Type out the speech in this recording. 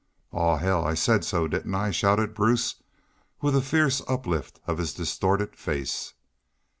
"Aw, hell! I said so, didn't I?" shouted Bruce, with a fierce uplift of his distorted face.